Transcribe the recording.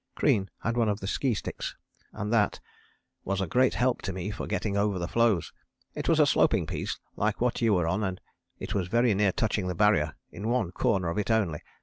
Crean had one of the ski sticks and that "was a great help to me for getting over the floes. It was a sloping piece like what you were on and it was very near touching the Barrier, in one corner of it only.